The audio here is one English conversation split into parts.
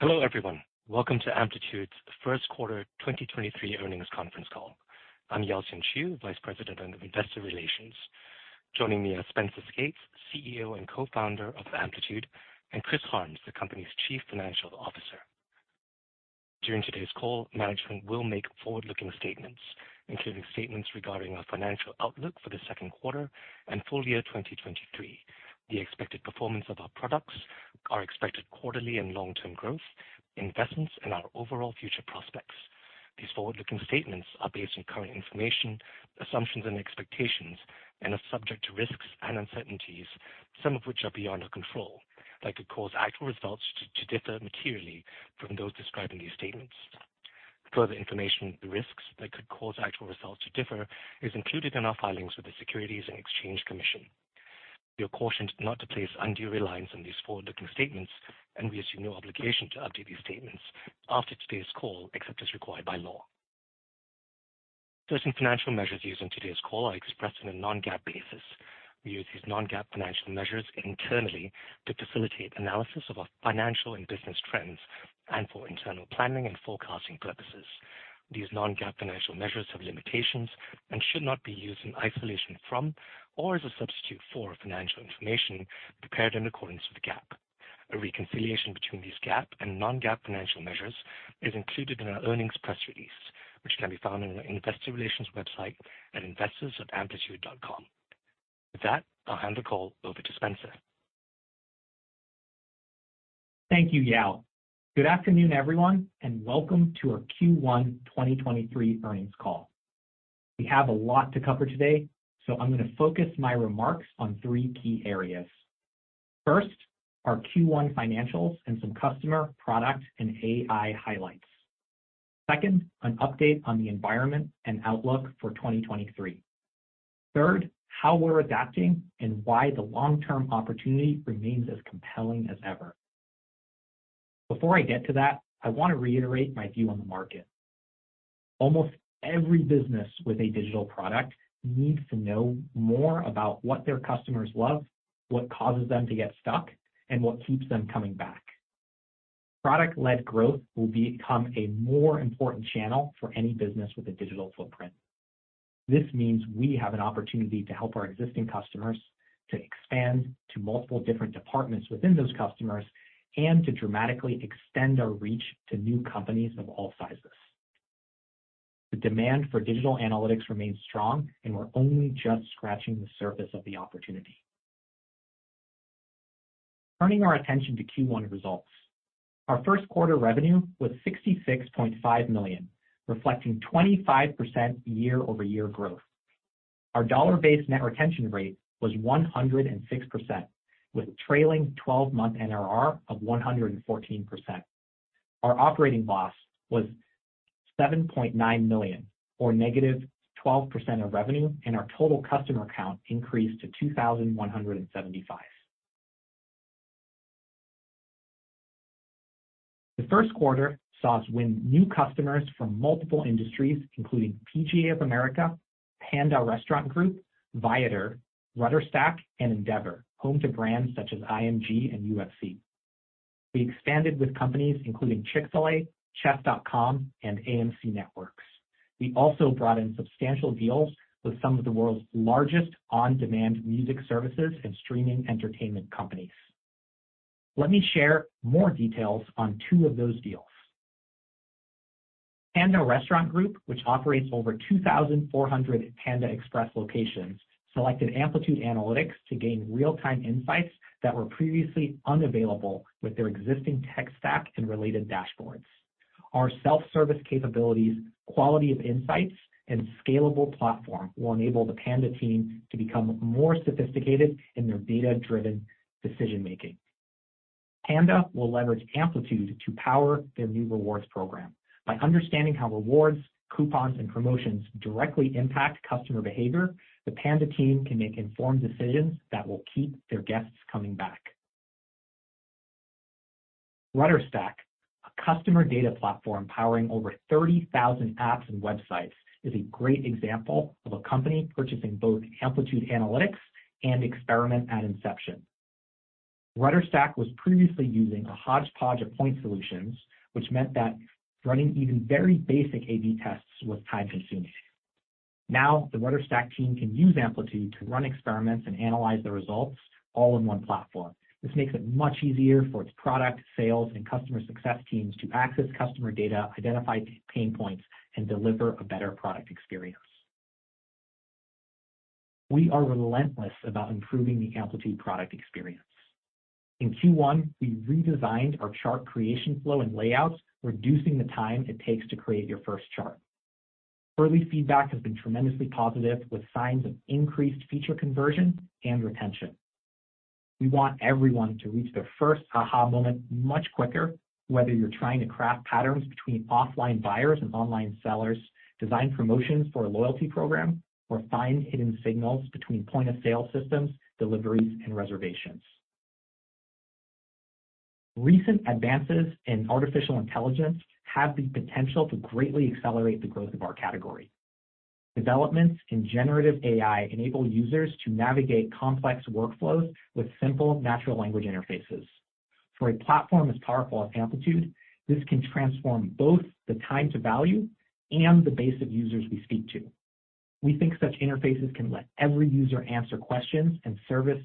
Hello, everyone. Welcome to Amplitude's First Quarter 2023 Earnings Conference Call. I'm Yaoxian Chew, Vice President of Investor Relations. Joining me are Spenser Skates, CEO and Co-founder of Amplitude, and Chris Harms, the company's Chief Financial Officer. During today's call, management will make forward-looking statements, including statements regarding our financial outlook for the second quarter and full year 2023, the expected performance of our products, our expected quarterly and long-term growth, investments, and our overall future prospects. These forward-looking statements are based on current information, assumptions and expectations, and are subject to risks and uncertainties, some of which are beyond our control, that could cause actual results to differ materially from those described in these statements. Further information of the risks that could cause actual results to differ is included in our filings with the Securities and Exchange Commission. You are cautioned not to place undue reliance on these forward-looking statements, and we assume no obligation to update these statements after today's call, except as required by law. Certain financial measures used in today's call are expressed on a non-GAAP basis. We use these non-GAAP financial measures internally to facilitate analysis of our financial and business trends and for internal planning and forecasting purposes. These non-GAAP financial measures have limitations and should not be used in isolation from or as a substitute for financial information prepared in accordance with GAAP. A reconciliation between these GAAP and non-GAAP financial measures is included in our earnings press release, which can be found on our investor relations website at investors.amplitude.com. With that, I'll hand the call over to Spenser. Thank you, Yao. Good afternoon, everyone, and welcome to our Q1 2023 Earnings Call. We have a lot to cover today, so I'm gonna focus my remarks on three key areas. First, our Q1 financials and some customer, product, and AI highlights. Second, an update on the environment and outlook for 2023. Third, how we're adapting and why the long-term opportunity remains as compelling as ever. Before I get to that, I want to reiterate my view on the market. Almost every business with a digital product needs to know more about what their customers love, what causes them to get stuck, and what keeps them coming back. Product-led growth will become a more important channel for any business with a digital footprint. This means we have an opportunity to help our existing customers to expand to multiple different departments within those customers and to dramatically extend our reach to new companies of all sizes. The demand for digital analytics remains strong. We're only just scratching the surface of the opportunity. Turning our attention to Q1 results. Our first quarter revenue was $66.5 million, reflecting 25% year-over-year growth. Our dollar-based net retention rate was 106% with trailing 12-month NRR of 114%. Our operating loss was $7.9 million or negative 12% of revenue, and our total customer count increased to 2,175. The first quarter saw us win new customers from multiple industries, including PGA of America, Panda Restaurant Group, Viator, RudderStack, and Endeavor, home to brands such as IMG and UFC. We expanded with companies including Chick-fil-A, Chess.com, and AMC Networks. We also brought in substantial deals with some of the world's largest on-demand music services and streaming entertainment companies. Let me share more details on two of those deals. Panda Restaurant Group, which operates over 2,400 Panda Express locations, selected Amplitude Analytics to gain real-time insights that were previously unavailable with their existing tech stack and related dashboards. Our self-service capabilities, quality of insights, and scalable platform will enable the Panda team to become more sophisticated in their data-driven decision-making. Panda will leverage Amplitude to power their new rewards program. By understanding how rewards, coupons, and promotions directly impact customer behavior, the Panda team can make informed decisions that will keep their guests coming back. RudderStack, a customer data platform powering over 30,000 apps and websites, is a great example of a company purchasing both Amplitude Analytics and Experiment at inception. RudderStack was previously using a hodgepodge of point solutions, which meant that running even very basic A/B tests was time-consuming. Now, the RudderStack team can use Amplitude to run experiments and analyze the results all in one platform. This makes it much easier for its product, sales, and customer success teams to access customer data, identify pain points, and deliver a better product experience. We are relentless about improving the Amplitude product experience. In Q1, we redesigned our chart creation flow and layouts, reducing the time it takes to create your first chart. Early feedback has been tremendously positive, with signs of increased feature conversion and retention. We want everyone to reach their first aha moment much quicker, whether you're trying to craft patterns between offline buyers and online sellers, design promotions for a loyalty program, or find hidden signals between point-of-sale systems, deliveries, and reservations. Recent advances in artificial intelligence have the potential to greatly accelerate the growth of our category. Developments in generative AI enable users to navigate complex workflows with simple natural language interfaces. For a platform as powerful as Amplitude, this can transform both the time to value and the base of users we speak to. We think such interfaces can let every user answer questions and surface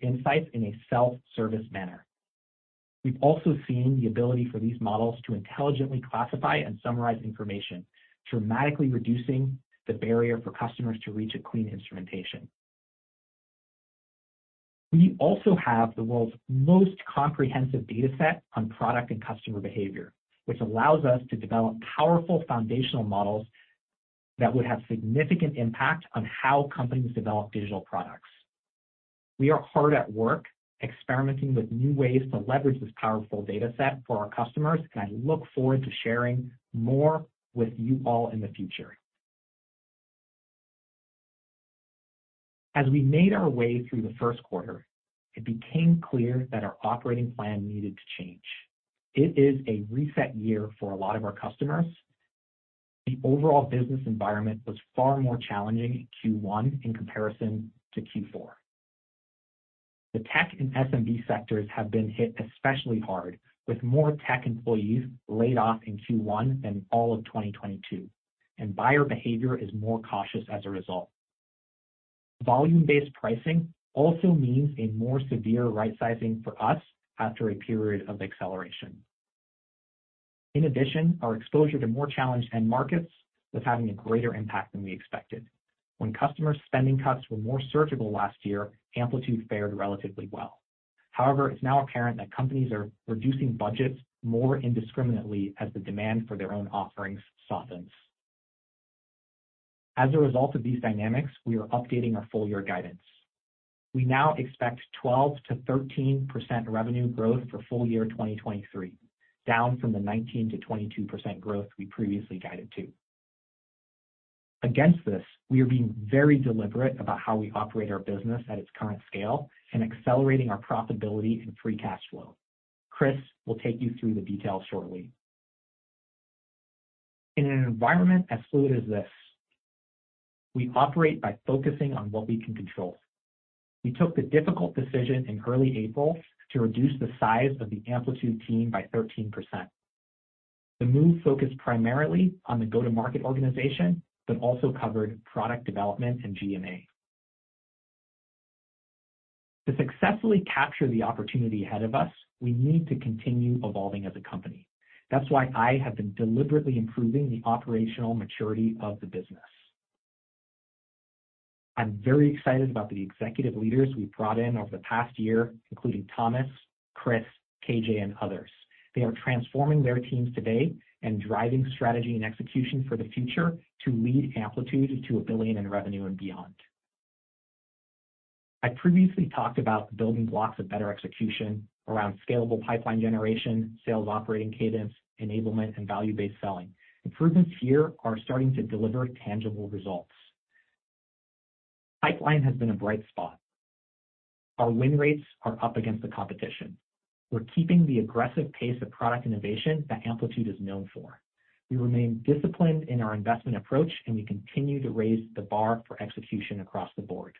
insights in a self-service manner. We've also seen the ability for these models to intelligently classify and summarize information, dramatically reducing the barrier for customers to reach a clean instrumentation. We also have the world's most comprehensive dataset on product and customer behavior, which allows us to develop powerful foundational models that would have significant impact on how companies develop digital products. We are hard at work experimenting with new ways to leverage this powerful dataset for our customers, and I look forward to sharing more with you all in the future. As we made our way through the first quarter, it became clear that our operating plan needed to change. It is a reset year for a lot of our customers. The overall business environment was far more challenging in Q1 in comparison to Q4. The tech and SMB sectors have been hit especially hard, with more tech employees laid off in Q1 than all of 2022, and buyer behavior is more cautious as a result. Volume-based pricing also means a more severe right-sizing for us after a period of acceleration. In addition, our exposure to more challenged end markets was having a greater impact than we expected. When customers' spending cuts were more surgical last year, Amplitude fared relatively well. However, it's now apparent that companies are reducing budgets more indiscriminately as the demand for their own offerings softens. As a result of these dynamics, we are updating our full year guidance. We now expect 12%-13% revenue growth for full year 2023, down from the 19%-22% growth we previously guided to. Against this, we are being very deliberate about how we operate our business at its current scale and accelerating our profitability and free cash flow. Chris will take you through the details shortly. In an environment as fluid as this, we operate by focusing on what we can control. We took the difficult decision in early April to reduce the size of the Amplitude team by 13%. The move focused primarily on the go-to-market organization, but also covered product development and G&A. To successfully capture the opportunity ahead of us, we need to continue evolving as a company. That's why I have been deliberately improving the operational maturity of the business. I'm very excited about the executive leaders we've brought in over the past year, including Thomas, Chris, KJ, and others. They are transforming their teams today and driving strategy and execution for the future to lead Amplitude to a billion in revenue and beyond. I previously talked about the building blocks of better execution around scalable pipeline generation, sales operating cadence, enablement, and value-based selling. Improvements here are starting to deliver tangible results. Pipeline has been a bright spot. Our win rates are up against the competition. We're keeping the aggressive pace of product innovation that Amplitude is known for. We remain disciplined in our investment approach, and we continue to raise the bar for execution across the board.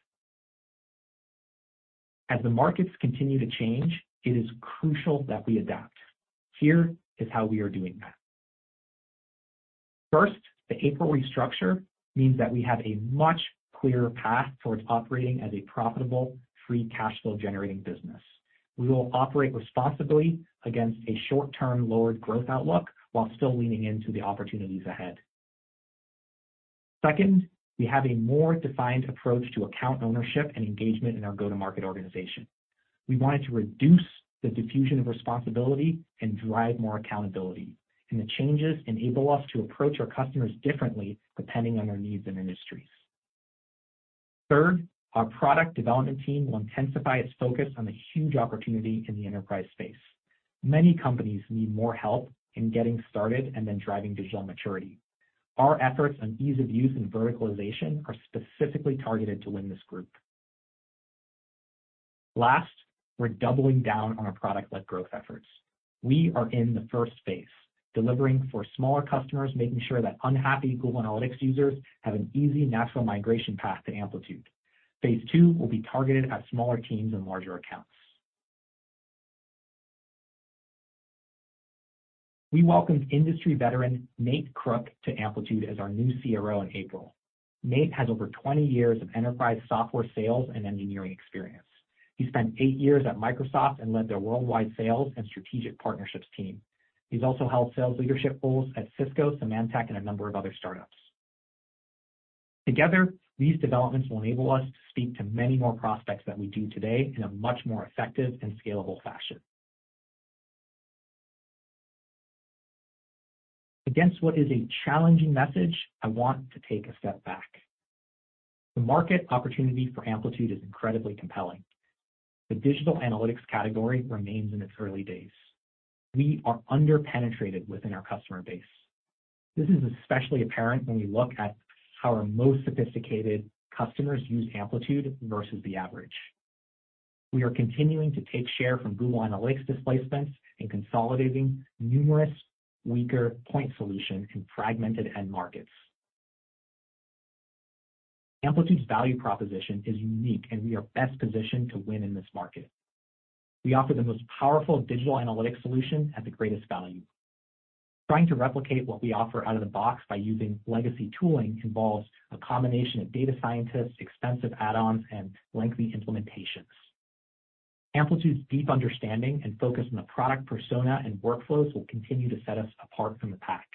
As the markets continue to change, it is crucial that we adapt. Here is how we are doing that. First, the April restructure means that we have a much clearer path towards operating as a profitable, free cash flow generating business. We will operate responsibly against a short-term lowered growth outlook while still leaning into the opportunities ahead. Second, we have a more defined approach to account ownership and engagement in our go-to-market organization. We wanted to reduce the diffusion of responsibility and drive more accountability. The changes enable us to approach our customers differently depending on their needs and industries. Third, our product development team will intensify its focus on the huge opportunity in the enterprise space. Many companies need more help in getting started and then driving digital maturity. Our efforts on ease of use and verticalization are specifically targeted to win this group. Last, we're doubling down on our product-led growth efforts. We are in the first phase, delivering for smaller customers, making sure that unhappy Google Analytics users have an easy natural migration path to Amplitude. Phase two will be targeted at smaller teams and larger accounts. We welcomed industry veteran, Nate Crook, to Amplitude as our new CRO in April. Nate has over 20 years of enterprise software sales and engineering experience. He spent eight years at Microsoft and led their worldwide sales and strategic partnerships team. He's also held sales leadership roles at Cisco, Symantec, and a number of other startups. Together, these developments will enable us to speak to many more prospects than we do today in a much more effective and scalable fashion. Against what is a challenging message, I want to take a step back. The market opportunity for Amplitude is incredibly compelling. The digital analytics category remains in its early days. We are under-penetrated within our customer base. This is especially apparent when we look at how our most sophisticated customers use Amplitude versus the average. We are continuing to take share from Google Analytics displacements and consolidating numerous weaker point solutions in fragmented end markets. Amplitude's value proposition is unique, and we are best positioned to win in this market. We offer the most powerful digital analytics solution at the greatest value. Trying to replicate what we offer out of the box by using legacy tooling involves a combination of data scientists, expensive add-ons, and lengthy implementations. Amplitude's deep understanding and focus on the product persona and workflows will continue to set us apart from the pack.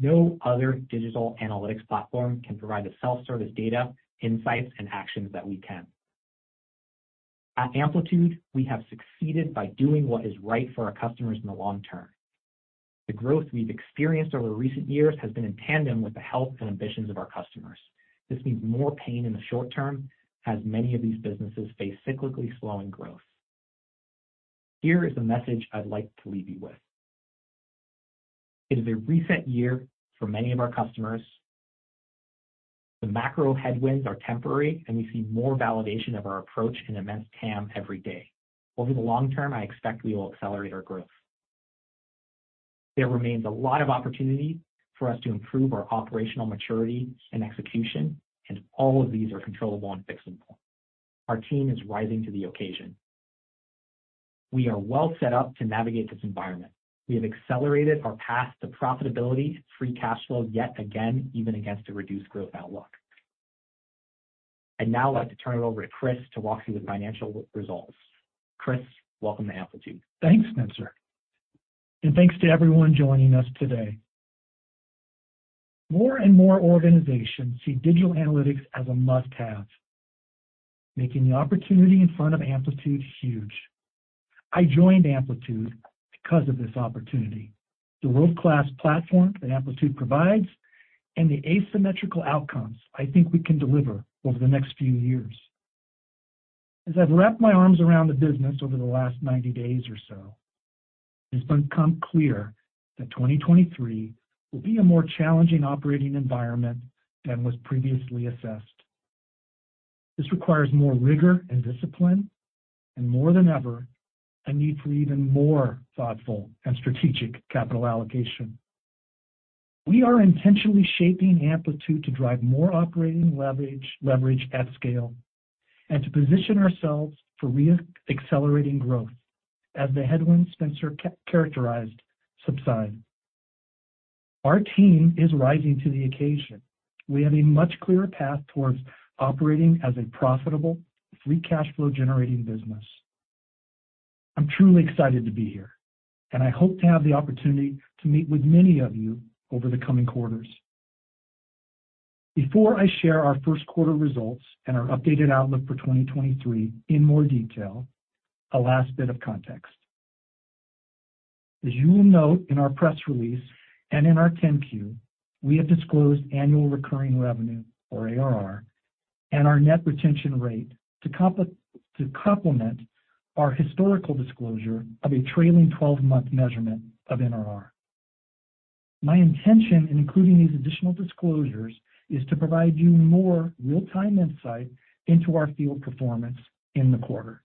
No other digital analytics platform can provide the self-service data, insights, and actions that we can. At Amplitude, we have succeeded by doing what is right for our customers in the long term. The growth we've experienced over recent years has been in tandem with the health and ambitions of our customers. This means more pain in the short term as many of these businesses face cyclically slowing growth. Here is the message I'd like to leave you with. It is a reset year for many of our customers. The macro headwinds are temporary, and we see more validation of our approach in immense TAM every day. Over the long term, I expect we will accelerate our growth. There remains a lot of opportunity for us to improve our operational maturity and execution, and all of these are controllable and fixable. Our team is rising to the occasion. We are well set up to navigate this environment. We have accelerated our path to profitability, free cash flow yet again, even against a reduced growth outlook. I'd now like to turn it over to Chris to walk through the financial results. Chris, welcome to Amplitude. Thanks, Spenser, thanks to everyone joining us today. More and more organizations see digital analytics as a must-have, making the opportunity in front of Amplitude huge. I joined Amplitude because of this opportunity, the world-class platform that Amplitude provides, and the asymmetrical outcomes I think we can deliver over the next few years. As I've wrapped my arms around the business over the last 90 days or so, it's become clear that 2023 will be a more challenging operating environment than was previously assessed. This requires more rigor and discipline, and more than ever, a need for even more thoughtful and strategic capital allocation. We are intentionally shaping Amplitude to drive more operating leverage at scale, and to position ourselves for re-accelerating growth as the headwinds Spenser characterized subside. Our team is rising to the occasion. We have a much clearer path towards operating as a profitable, free cash flow-generating business. I'm truly excited to be here. I hope to have the opportunity to meet with many of you over the coming quarters. Before I share our first quarter results and our updated outlook for 2023 in more detail, a last bit of context. As you will note in our press release and in our 10-Q, we have disclosed annual recurring revenue, or ARR, and our net retention rate to complement our historical disclosure of a trailing twelve-month measurement of NRR. My intention in including these additional disclosures is to provide you more real-time insight into our field performance in the quarter.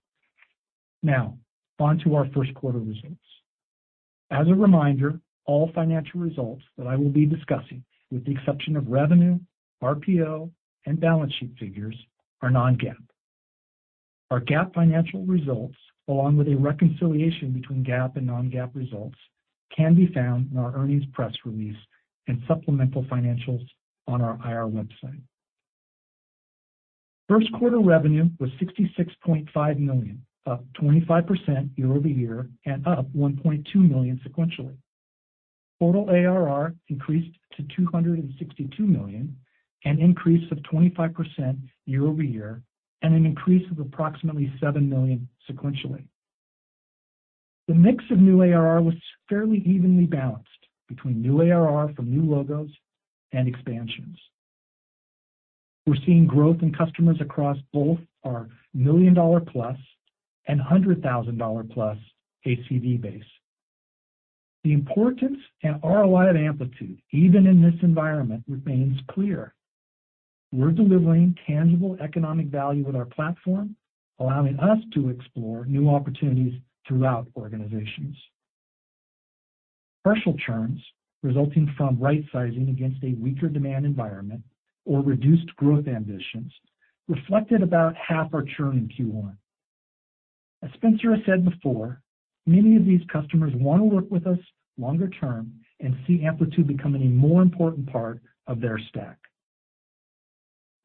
On to our first quarter results. As a reminder, all financial results that I will be discussing, with the exception of revenue, RPO, and balance sheet figures, are non-GAAP. Our GAAP financial results, along with a reconciliation between GAAP and non-GAAP results, can be found in our earnings press release and supplemental financials on our IR website. First quarter revenue was $66.5 million, up 25% year-over-year and up $1.2 million sequentially. Total ARR increased to $262 million, an increase of 25% year-over-year, and an increase of approximately $7 million sequentially. The mix of new ARR was fairly evenly balanced between new ARR from new logos and expansions. We're seeing growth in customers across both our million-dollar plus and hundred thousand dollar plus ACV base. The importance and ROI of Amplitude, even in this environment, remains clear. We're delivering tangible economic value with our platform, allowing us to explore new opportunities throughout organizations. Partial churns resulting from right-sizing against a weaker demand environment or reduced growth ambitions reflected about half our churn in Q one. As Spenser has said before, many of these customers want to work with us longer term and see Amplitude becoming a more important part of their stack.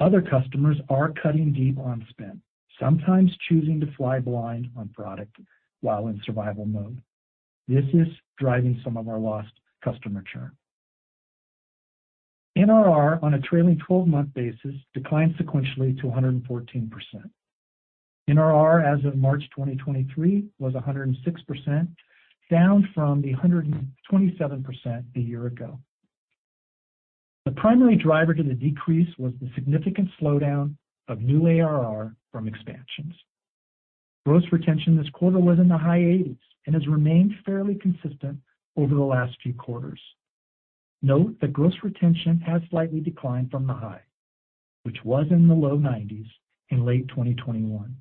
Other customers are cutting deep on spend, sometimes choosing to fly blind on product while in survival mode. This is driving some of our lost customer churn. NRR on a trailing 12-month basis declined sequentially to 114%. NRR as of March 2023 was 106%, down from the 127% a year ago. The primary driver to the decrease was the significant slowdown of new ARR from expansions. Gross retention this quarter was in the high 80s and has remained fairly consistent over the last few quarters. Note that gross retention has slightly declined from the high, which was in the low 90s in late 2021.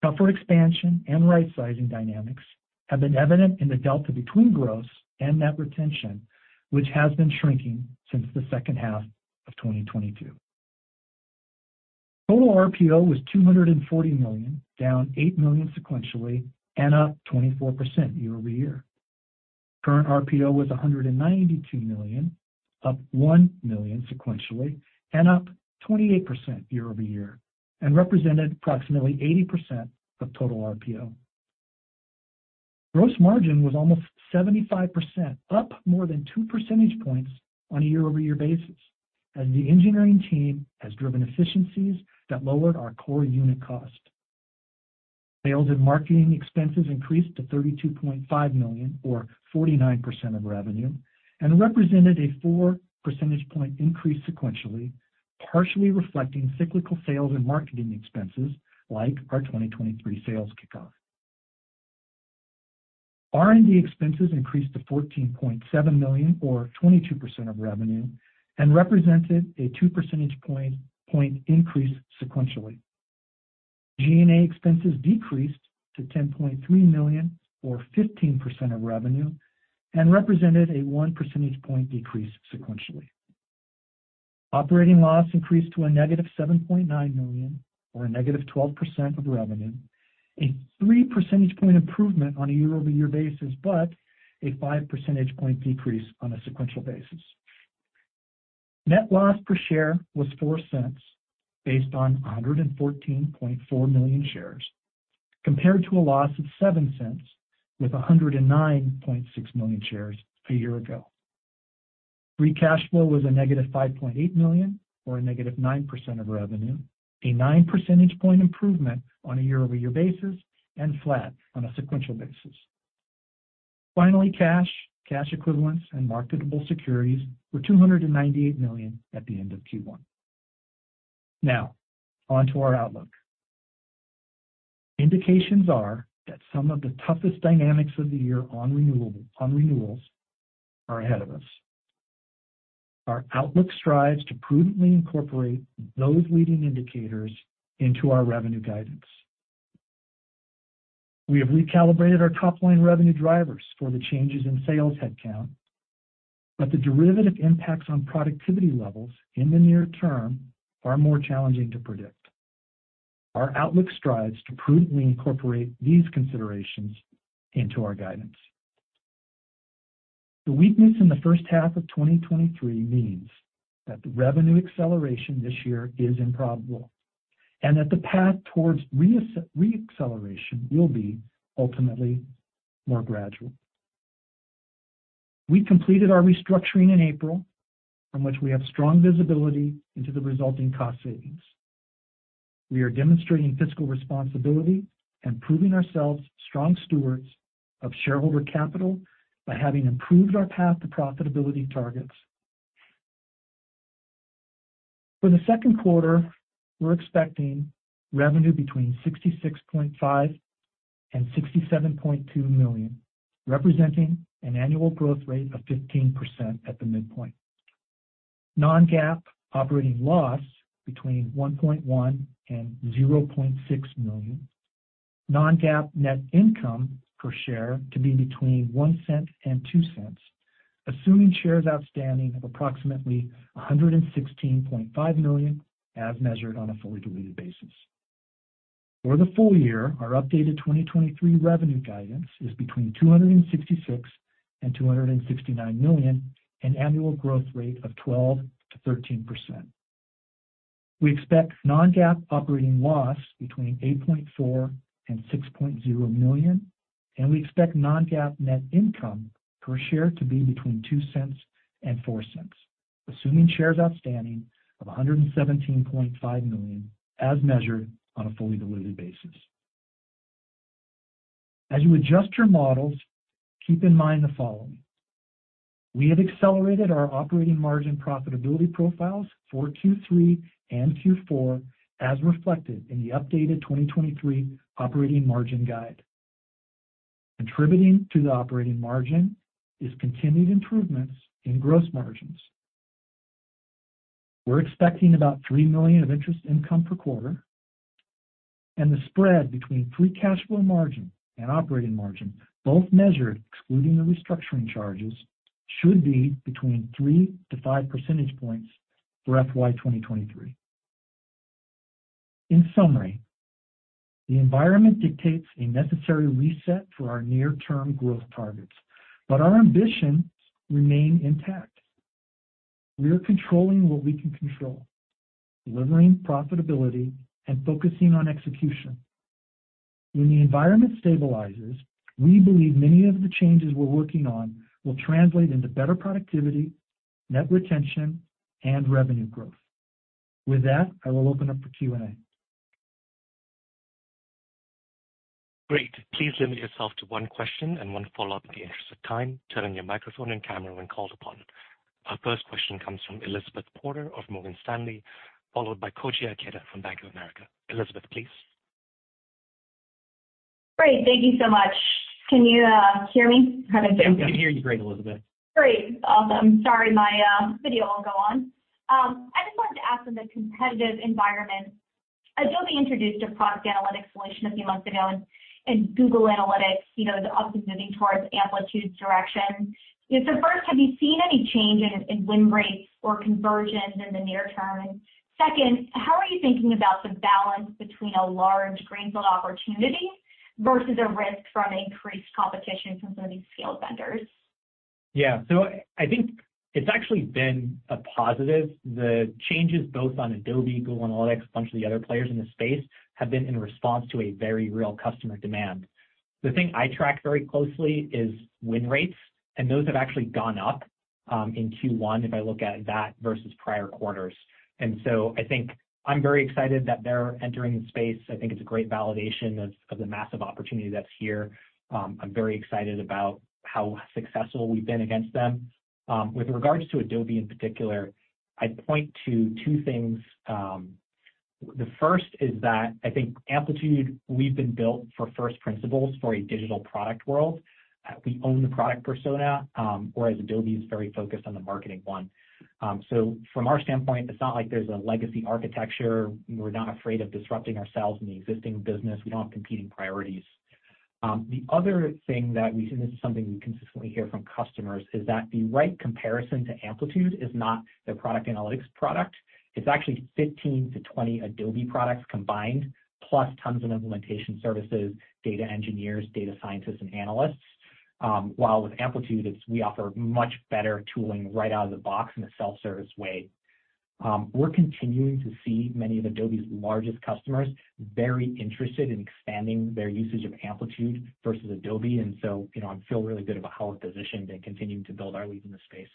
Tougher expansion and rightsizing dynamics have been evident in the delta between gross and net retention, which has been shrinking since the second half of 2022. Total RPO was $240 million, down $8 million sequentially and up 24% year-over-year. Current RPO was $192 million, up $1 million sequentially and up 28% year-over-year, and represented approximately 80% of total RPO. Gross margin was almost 75%, up more than 2 percentage points on a year-over-year basis as the engineering team has driven efficiencies that lowered our core unit cost. Sales and marketing expenses increased to $32.5 million or 49% of revenue and represented a four percentage point increase sequentially, partially reflecting cyclical sales and marketing expenses like our 2023 sales kickoff. R&D expenses increased to $14.7 million or 22% of revenue and represented a two percentage point increase sequentially. G&A expenses decreased to $10.3 million or 15% of revenue and represented a one percentage point decrease sequentially. Operating loss increased to a negative $7.9 million or a negative 12% of revenue, a three percentage point improvement on a year-over-year basis, a five percentage point decrease on a sequential basis. Net loss per share was $0.04 based on 114.4 million shares, compared to a loss of $0.07 with 109.6 million shares a year ago. Free cash flow was a negative $5.8 million or a negative 9% of revenue, a 9 percentage point improvement on a year-over-year basis and flat on a sequential basis. Finally, cash equivalents and marketable securities were $298 million at the end of Q1. On to our outlook. Indications are that some of the toughest dynamics of the year on renewals are ahead of us. Our outlook strives to prudently incorporate those leading indicators into our revenue guidance. We have recalibrated our top-line revenue drivers for the changes in sales headcount, but the derivative impacts on productivity levels in the near term are more challenging to predict. Our outlook strives to prudently incorporate these considerations into our guidance. The weakness in the first half of 2023 means that the revenue acceleration this year is improbable, and that the path towards reacceleration will be ultimately more gradual. We completed our restructuring in April, from which we have strong visibility into the resulting cost savings. We are demonstrating fiscal responsibility and proving ourselves strong stewards of shareholder capital by having improved our path to profitability targets. For the second quarter, we're expecting revenue between $66.5 million and $67.2 million, representing an annual growth rate of 15% at the midpoint. Non-GAAP operating loss between $1.1 million and $0.6 million. non-GAAP net income per share to be between $0.01 and $0.02, assuming shares outstanding of approximately 116.5 million as measured on a fully diluted basis. For the full year, our updated 2023 revenue guidance is between $266 million and $269 million, an annual growth rate of 12%-13%. We expect non-GAAP operating loss between $8.4 million and $6.0 million, and we expect non-GAAP net income per share to be between $0.02 and $0.04, assuming shares outstanding of 117.5 million as measured on a fully diluted basis. As you adjust your models, keep in mind the following. We have accelerated our operating margin profitability profiles for Q3 and Q4 as reflected in the updated 2023 operating margin guide. Contributing to the operating margin is continued improvements in gross margins. We're expecting about $3 million of interest income per quarter, and the spread between free cash flow margin and operating margin, both measured excluding the restructuring charges, should be between 3-5 percentage points for FY 2023. In summary, the environment dictates a necessary reset for our near-term growth targets. Our ambitions remain intact. We are controlling what we can control, delivering profitability and focusing on execution. When the environment stabilizes, we believe many of the changes we're working on will translate into better productivity, net retention, and revenue growth. With that, I will open up for Q&A. Great. Please limit yourself to one question and one follow-up in the interest of time. Turn on your microphone and camera when called upon. Our first question comes from Elizabeth Porter of Morgan Stanley, followed by Koji Ikeda from Bank of America. Elizabeth, please. Great. Thank you so much. Can you hear me? We can hear you great, Elizabeth. Great. Awesome. Sorry, my video won't go on. I just wanted to ask in the competitive environment. Adobe introduced a product analytics solution a few months ago, and Google Analytics, you know, is also moving towards Amplitude's direction. First, have you seen any change in win rates or conversions in the near term? Second, how are you thinking about the balance between a large greenfield opportunity versus a risk from increased competition from some of these scaled vendors? Yeah. I think it's actually been a positive. The changes both on Adobe, Google Analytics, a bunch of the other players in the space have been in response to a very real customer demand. The thing I track very closely is win rates, and those have actually gone up in Q1 if I look at that versus prior quarters. I think I'm very excited that they're entering the space. I think it's a great validation of the massive opportunity that's here. I'm very excited about how successful we've been against them. With regards to Adobe in particular, I'd point to two things. The first is that I think Amplitude, we've been built for first principles for a digital product world. We own the product persona, whereas Adobe is very focused on the marketing one. From our standpoint, it's not like there's a legacy architecture. We're not afraid of disrupting ourselves in the existing business. We don't have competing priorities. The other thing that we see, this is something we consistently hear from customers, is that the right comparison to Amplitude is not their product analytics product. It's actually 15-20 Adobe products combined, plus tons of implementation services, data engineers, data scientists and analysts. While with Amplitude, it's we offer much better tooling right out of the box in a self-service way. We're continuing to see many of Adobe's largest customers very interested in expanding their usage of Amplitude versus Adobe. You know, I'm feel really good about how we're positioned and continuing to build our lead in the space.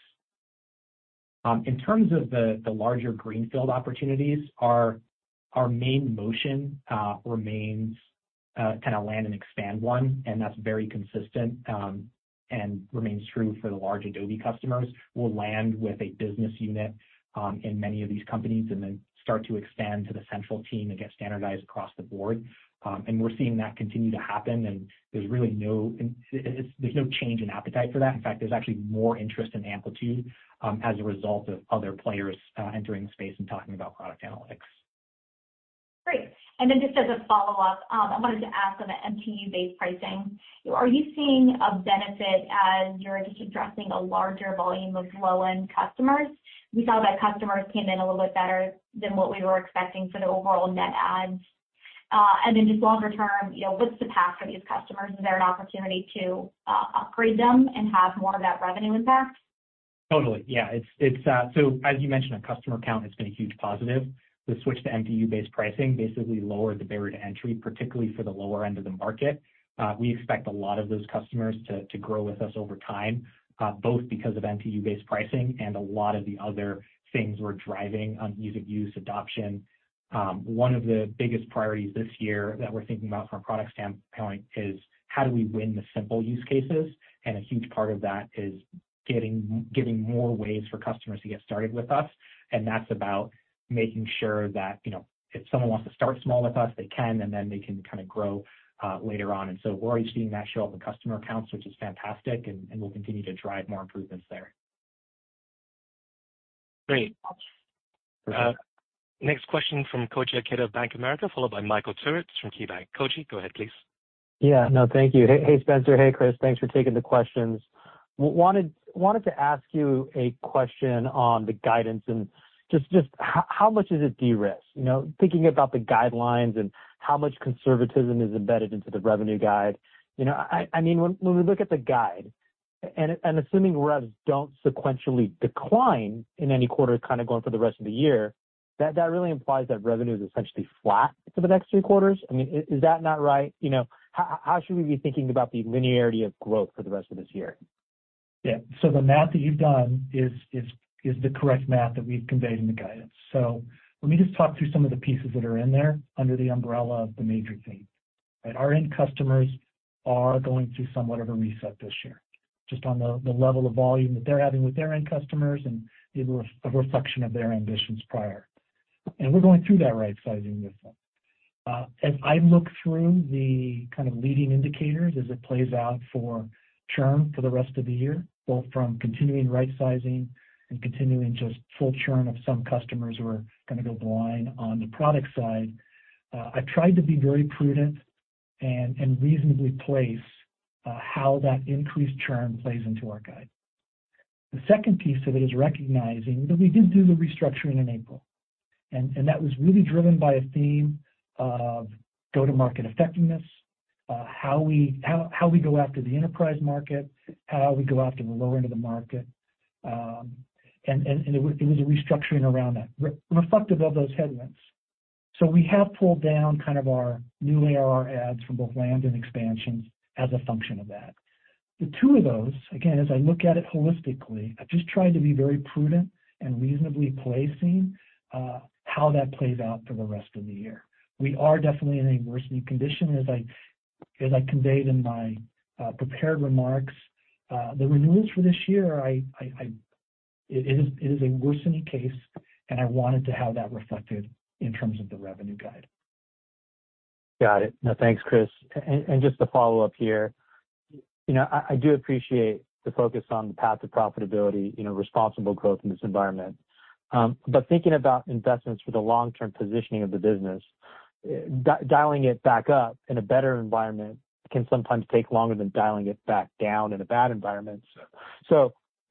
In terms of the larger greenfield opportunities, our main motion remains kinda land and expand one, and that's very consistent, and remains true for the large Adobe customers. We'll land with a business unit in many of these companies and then start to expand to the central team and get standardized across the board. We're seeing that continue to happen, and there's really no change in appetite for that. In fact, there's actually more interest in Amplitude as a result of other players entering the space and talking about product analytics. Great. Just as a follow-up, I wanted to ask on the MTU-based pricing. Are you seeing a benefit as you're just addressing a larger volume of low-end customers? We saw that customers came in a little bit better than what we were expecting for the overall net adds. Just longer term, you know, what's the path for these customers? Is there an opportunity to upgrade them and have more of that revenue impact? Totally. Yeah. It's as you mentioned on customer count, it's been a huge positive. The switch to MTU-based pricing basically lowered the barrier to entry, particularly for the lower end of the market. We expect a lot of those customers to grow with us over time, both because of MTU-based pricing and a lot of the other things we're driving on user use adoption. One of the biggest priorities this year that we're thinking about from a product standpoint is how do we win the simple use cases, a huge part of that is giving more ways for customers to get started with us. That's about making sure that, you know, if someone wants to start small with us, they can, they can kinda grow later on. We're already seeing that show up in customer accounts, which is fantastic, and we'll continue to drive more improvements there. Great. Next question from Koji Ikeda, Bank of America, followed by Michael Turits from KeyBanc. Koji, go ahead, please. Yeah. No, thank you. Hey, Spenser. Hey, Chris. Thanks for taking the questions. Wanted to ask you a question on the guidance and just how much is it de-risk? You know, thinking about the guidelines and how much conservatism is embedded into the revenue guide. You know, I mean, when we look at the guide, and assuming revs don't sequentially decline in any quarter kind of going for the rest of the year, that really implies that revenue is essentially flat for the next three quarters. I mean, is that not right? You know, how should we be thinking about the linearity of growth for the rest of this year? The math that you've done is the correct math that we've conveyed in the guidance. Let me just talk through some of the pieces that are in there under the umbrella of the major theme, right? Our end customers are going through somewhat of a reset this year, just on the level of volume that they're having with their end customers and is a reflection of their ambitions prior. We're going through that right sizing with them. As I look through the kind of leading indicators as it plays out for churn for the rest of the year, both from continuing right sizing and continuing just full churn of some customers who are gonna go blind on the product side, I've tried to be very prudent and reasonably place how that increased churn plays into our guide. The second piece of it is recognizing that we did do the restructuring in April. That was really driven by a theme of go-to-market effectiveness, how we go after the enterprise market, how we go after the lower end of the market. It was a restructuring around that re-reflective of those headwinds. We have pulled down kind of our new ARR adds from both land and expansions as a function of that. The two of those, again, as I look at it holistically, I've just tried to be very prudent and reasonably placing how that plays out for the rest of the year. We are definitely in a worsening condition as I conveyed in my prepared remarks. The renewals for this year, It is a worsening case, and I wanted to have that reflected in terms of the revenue guide. Got it. No, thanks, Chris. Just to follow up here, you know, I do appreciate the focus on the path to profitability, you know, responsible growth in this environment. Thinking about investments for the long-term positioning of the business, dialing it back up in a better environment can sometimes take longer than dialing it back down in a bad environment.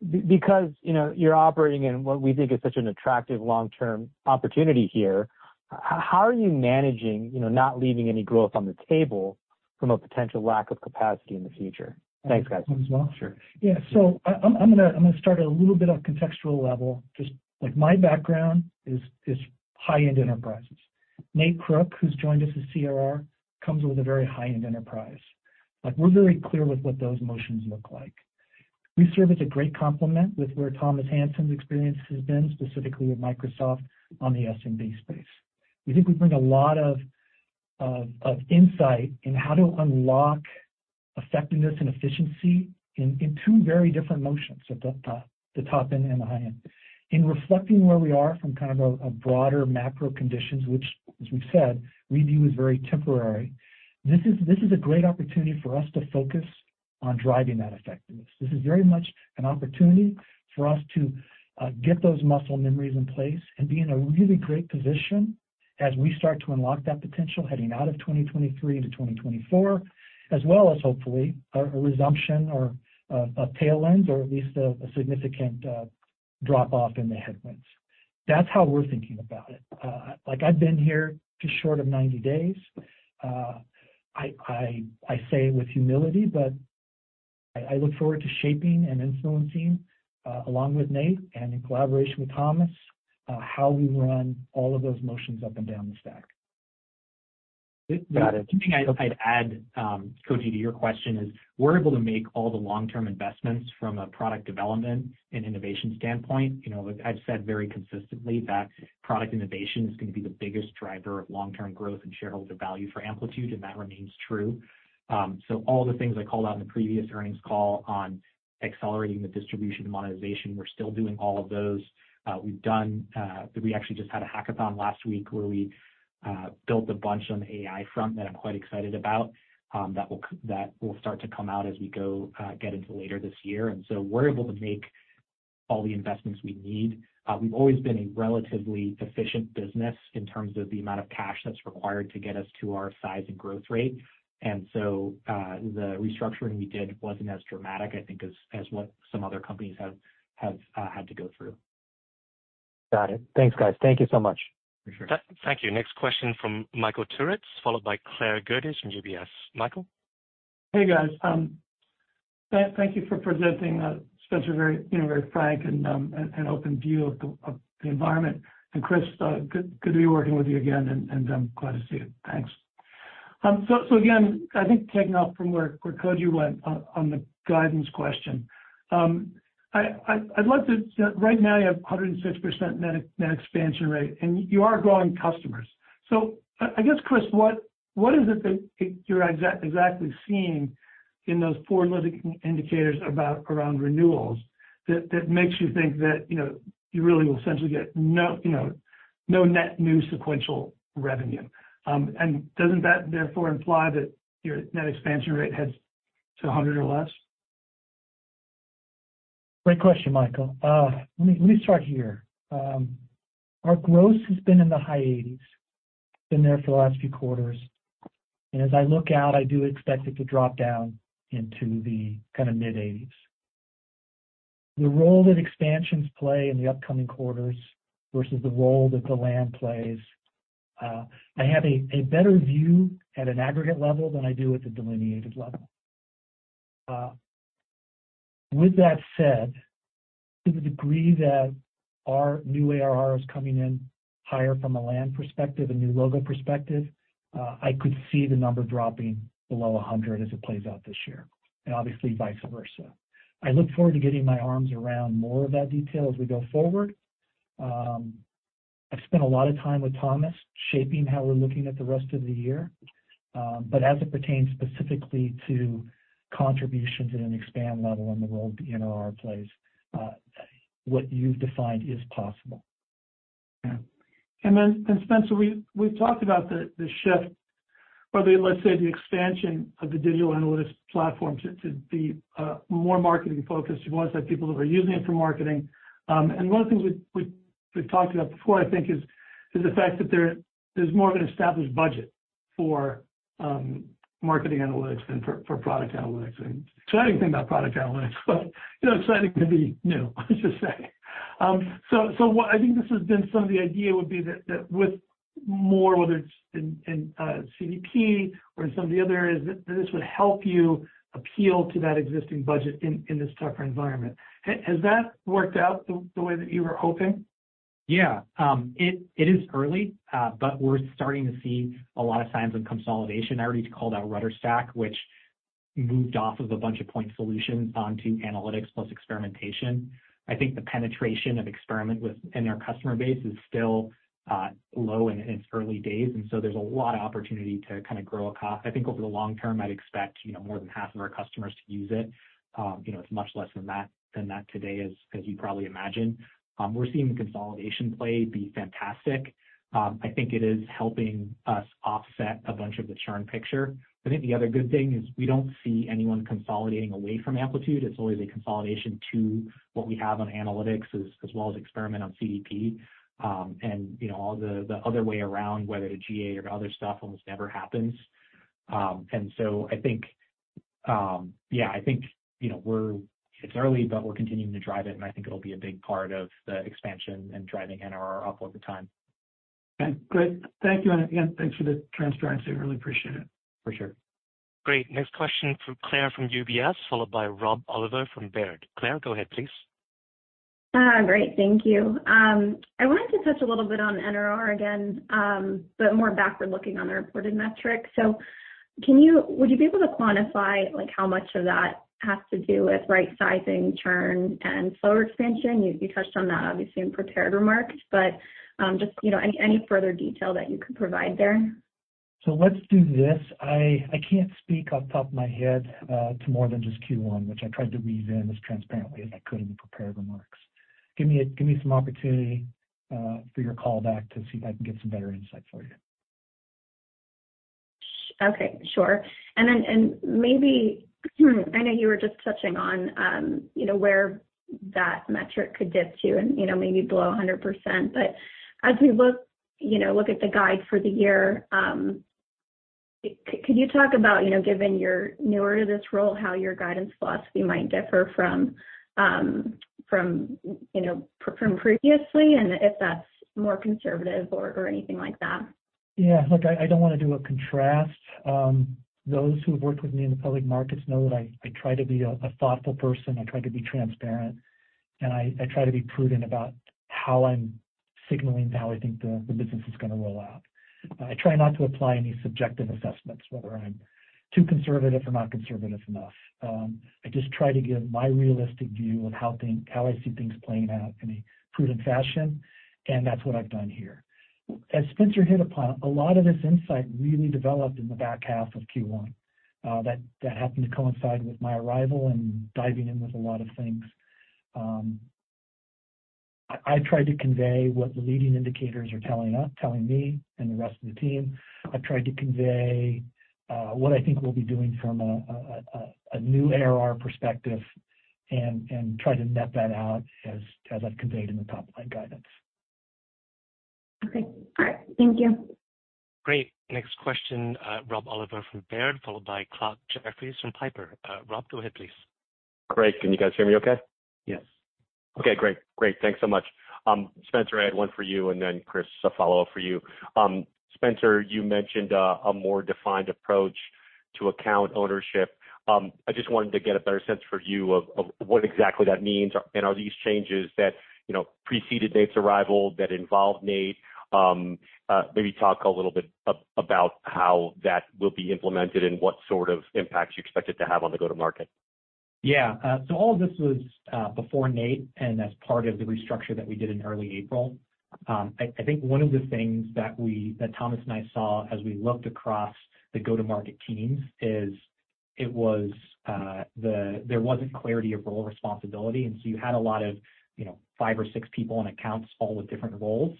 Because you know, you're operating in what we think is such an attractive long-term opportunity here, how are you managing, you know, not leaving any growth on the table from a potential lack of capacity in the future? Thanks, guys. Sure. Yeah. I'm gonna start a little bit on a contextual level. Just like my background is high-end enterprises. Nate Crook, who's joined us as CRO, comes with a very high-end enterprise. Like, we're very clear with what those motions look like. We serve as a great complement with where Thomas Hansen's experience has been, specifically with Microsoft on the SMB space. We think we bring a lot of insight in how to unlock effectiveness and efficiency in two very different motions at the top end and the high end. In reflecting where we are from kind of a broader macro conditions, which as we've said, we view as very temporary, this is a great opportunity for us to focus on driving that effectiveness. This is very much an opportunity for us to get those muscle memories in place and be in a really great position as we start to unlock that potential heading out of 2023 into 2024, as well as hopefully a resumption or a tail end or at least a significant drop-off in the headwinds. That's how we're thinking about it. Like I've been here just short of 90 days. I say it with humility, but I look forward to shaping and influencing along with Nate and in collaboration with Thomas, how we run all of those motions up and down the stack. Got it. The only thing I'd add, Koji, to your question is, we're able to make all the long-term investments from a product development and innovation standpoint. You know, I've said very consistently that product innovation is gonna be the biggest driver of long-term growth and shareholder value for Amplitude, and that remains true. So all the things I called out in the previous earnings call on accelerating the distribution and monetization, we're still doing all of those. We've done, we actually just had a hackathon last week where we built a bunch on the AI front that I'm quite excited about, that will start to come out as we go get into later this year. We're able to make all the investments we need. We've always been a relatively efficient business in terms of the amount of cash that's required to get us to our size and growth rate. The restructuring we did wasn't as dramatic, I think, as what some other companies have had to go through. Got it. Thanks, guys. Thank you so much. For sure. Thank you. Next question from Michael Turits, followed by Claire Gerdes from UBS. Michael. Hey, guys. Thank you for presenting, Spenser, a very, you know, very frank and an open view of the environment. Chris, good to be working with you again, and I'm glad to see you. Thanks. Again, I think taking off from where Koji went on the guidance question, right now you have a 106% net expansion rate, and you are growing customers. I guess, Chris, what is it that you're exactly seeing in those forward-looking indicators about around renewals that makes you think that, you know, you really will essentially get no, you know, no net new sequential revenue? Doesn't that therefore imply that your net expansion rate heads to 100 or less? Great question, Michael. Let me start here. Our growth has been in the high 80s. It's been there for the last few quarters. As I look out, I do expect it to drop down into the kinda mid-80s. The role that expansions play in the upcoming quarters versus the role that the land plays, I have a better view at an aggregate level than I do at the delineated level. With that said, to the degree that our new ARR is coming in higher from a land perspective, a new logo perspective, I could see the number dropping below 100 as it plays out this year, and obviously vice versa. I look forward to getting my arms around more of that detail as we go forward. I've spent a lot of time with Thomas shaping how we're looking at the rest of the year, but as it pertains specifically to contributions at an expand level and the role the NRR plays, what you've defined is possible. Yeah. Spenser, we've talked about the shift or the, let's say, the expansion of the digital analytics platform to be more marketing focused. You've always had people that are using it for marketing. One of the things we've talked about before, I think is the fact that there is more of an established budget for marketing analytics than for product analytics. It's an exciting thing about product analytics, but, you know, exciting can be new, let's just say. What I think this has been some of the idea would be that with more, whether it's in CDP or in some of the other areas, that this would help you appeal to that existing budget in this tougher environment. Has that worked out the way that you were hoping? Yeah. It is early, but we're starting to see a lot of signs of consolidation. I already called out RudderStack, which moved off of a bunch of point solutions onto analytics plus experimentation. I think the penetration of Experiment in our customer base is still low in its early days, and so there's a lot of opportunity to kind of grow across. I think over the long term, I'd expect, you know, more than half of our customers to use it. You know, it's much less than that today as you probably imagine. We're seeing the consolidation play be fantastic. I think it is helping us offset a bunch of the churn picture. I think the other good thing is we don't see anyone consolidating away from Amplitude. It's always a consolidation to what we have on analytics as well as Experiment on CDP. You know, all the other way around, whether to GA or other stuff almost never happens. I think, yeah, I think, you know, it's early, but we're continuing to drive it, and I think it'll be a big part of the expansion and driving NRR up over time. Okay, great. Thank you. Again, thanks for the transparency. Really appreciate it. For sure. Great. Next question from Claire from UBS, followed by Rob Oliver from Baird. Claire, go ahead, please. Great, thank you. I wanted to touch a little bit on NRR again, but more backward-looking on the reported metrics. Can you would you be able to quantify, like, how much of that has to do with right sizing churn and slower expansion? You touched on that obviously in prepared remarks, but, just, you know, any further detail that you could provide there. Let's do this. I can't speak off the top of my head, to more than just Q1, which I tried to weave in as transparently as I could in the prepared remarks. Give me some opportunity, for your call back to see if I can get some better insight for you. Okay. Sure. Maybe, I know you were just touching on, you know, where that metric could dip to and, you know, maybe below 100%. As we look at the guide for the year, could you talk about, you know, given you're newer to this role, how your guidance philosophy might differ from previously and if that's more conservative or anything like that? Yeah. Look, I don't wanna do a contrast. Those who have worked with me in the public markets know that I try to be a thoughtful person. I try to be transparent, and I try to be prudent about how I'm signaling how I think the business is gonna roll out. I try not to apply any subjective assessments, whether I'm too conservative or not conservative enough. I just try to give my realistic view of how I see things playing out in a prudent fashion, and that's what I've done here. As Spenser hit upon, a lot of this insight really developed in the back half of Q1, that happened to coincide with my arrival and diving in with a lot of things. I tried to convey what the leading indicators are telling us, telling me and the rest of the team. I've tried to convey what I think we'll be doing from a new ARR perspective and try to net that out as I've conveyed in the top-line guidance. Okay. All right. Thank you. Great. Next question, Rob Oliver from Baird, followed by Clarke Jeffries from Piper. Rob, go ahead, please. Great. Can you guys hear me okay? Yes. Okay, great. Great. Thanks so much. Spenser, I had one for you and then Chris, a follow-up for you. Spenser, you mentioned a more defined approach to account ownership. I just wanted to get a better sense for you of what exactly that means and are these changes that, you know, preceded Nate's arrival, that involve Nate. maybe talk a little bit about how that will be implemented and what sort of impacts you expect it to have on the go-to-market. Yeah. All of this was before Nate and as part of the restructure that we did in early April. I think one of the things that Thomas and I saw as we looked across the go-to-market teams is it was there wasn't clarity of role responsibility. You had a lot of, you know, five or six people on accounts all with different roles, and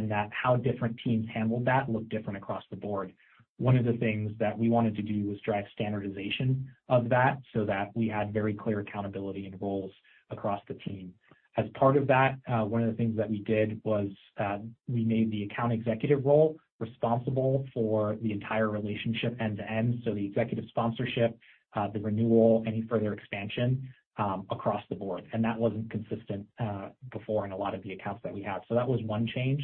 that how different teams handled that looked different across the board. One of the things that we wanted to do was drive standardization of that so that we had very clear accountability and roles across the team. As part of that, one of the things that we did was, we made the account executive role responsible for the entire relationship end to end, so the executive sponsorship, the renewal, any further expansion, across the board. That wasn't consistent before in a lot of the accounts that we had. That was one change.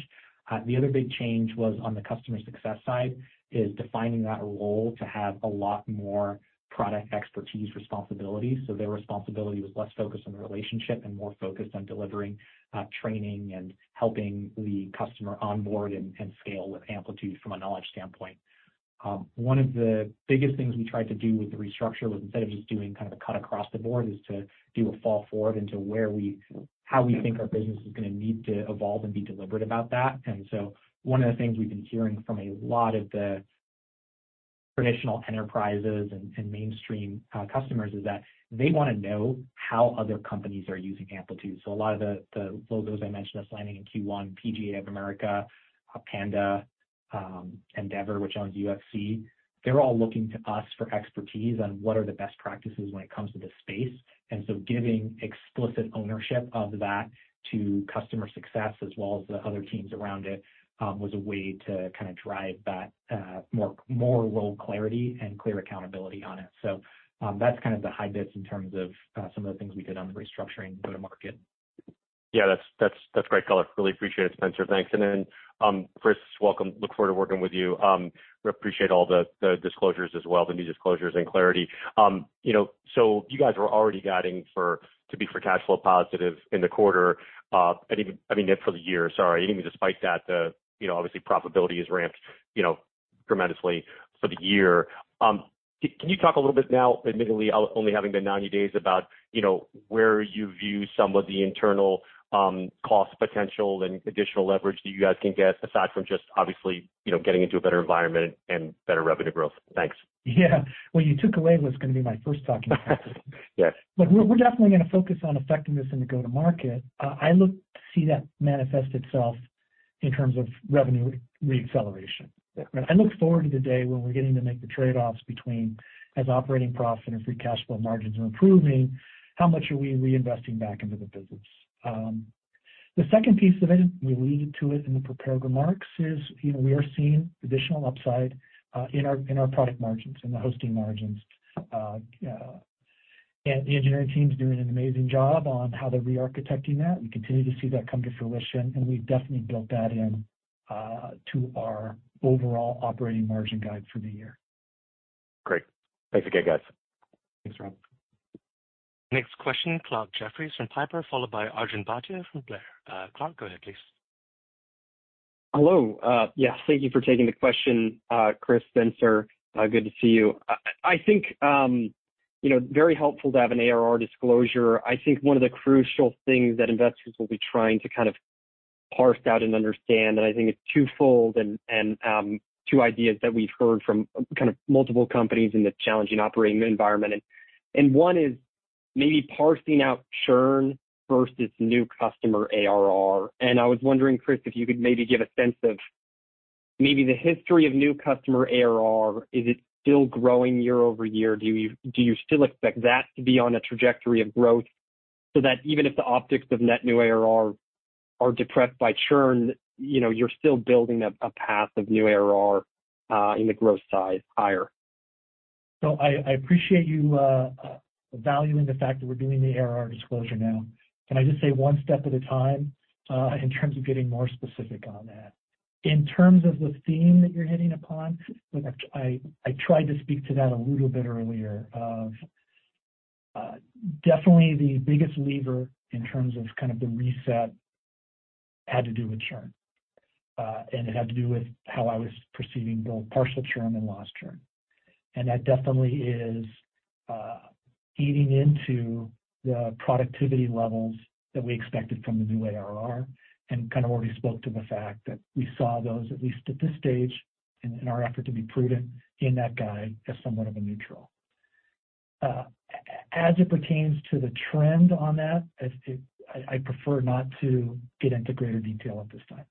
The other big change was on the customer success side, is defining that role to have a lot more product expertise responsibility. Their responsibility was less focused on the relationship and more focused on delivering training and helping the customer onboard and scale with Amplitude from a knowledge standpoint. One of the biggest things we tried to do with the restructure was instead of just doing kind of a cut across the board, is to do a fall forward into how we think our business is gonna need to evolve and be deliberate about that. One of the things we've been hearing from a lot of the traditional enterprises and mainstream customers is that they wanna know how other companies are using Amplitude. A lot of the logos I mentioned that's landing in Q1, PGA of America, Panda, Endeavor, which owns UFC, they're all looking to us for expertise on what are the best practices when it comes to this space. Giving explicit ownership of that to customer success as well as the other teams around it, was a way to kinda drive that, more role clarity and clear accountability on it. That's kind of the high bits in terms of, some of the things we did on the restructuring go-to-market. Yeah, that's great color. Really appreciate it, Spenser. Thanks. Then, Chris, welcome. Look forward to working with you. We appreciate all the disclosures as well, the new disclosures and clarity. You know, you guys were already guiding to be cash flow positive in the quarter, and even, I mean, for the year, sorry. Even despite that, you know, obviously profitability is ramped, you know. tremendously for the year. Can you talk a little bit now, admittedly only having been 90 days about, you know, where you view some of the internal cost potential and additional leverage that you guys can get aside from just obviously, you know, getting into a better environment and better revenue growth? Thanks. Yeah. Well, you took away what's gonna be my first talking point. Yes. Look, we're definitely gonna focus on effectiveness and the go-to-market. I look to see that manifest itself in terms of revenue re-acceleration. Yeah. I look forward to the day when we're getting to make the trade-offs between as operating profits and our free cash flow margins are improving, how much are we reinvesting back into the business? The second piece of it, and we lead into it in the prepared remarks, is, you know, we are seeing additional upside in our product margins, in the hosting margins. The engineering team's doing an amazing job on how they're re-architecting that. We continue to see that come to fruition, and we've definitely built that in to our overall operating margin guide for the year. Great. Thanks again, guys. Thanks, Rob. Next question, Clarke Jeffries from Piper, followed by Arjun Bhatia from Blair. Clarke, go ahead, please. Hello. Yes, thank you for taking the question, Chris, Spenser. Good to see you. I think, you know, very helpful to have an ARR disclosure. I think one of the crucial things that investors will be trying to kind of parse out and understand. I think it's twofold. Two ideas that we've heard from kind of multiple companies in this challenging operating environment. One is maybe parsing out churn versus new customer ARR. I was wondering, Chris, if you could maybe give a sense of maybe the history of new customer ARR, is it still growing year over year? Do you still expect that to be on a trajectory of growth so that even if the optics of net new ARR are depressed by churn, you know, you're still building a path of new ARR in the growth size higher? I appreciate you valuing the fact that we're doing the ARR disclosure now. Can I just say one step at a time in terms of getting more specific on that? In terms of the theme that you're hitting upon, look, I tried to speak to that a little bit earlier of definitely the biggest lever in terms of kind of the reset had to do with churn. It had to do with how I was perceiving both partial churn and lost churn. That definitely is eating into the productivity levels that we expected from the new ARR, and kind of already spoke to the fact that we saw those, at least at this stage in our effort to be prudent in that guide as somewhat of a neutral. As it pertains to the trend on that, I prefer not to get into greater detail at this time.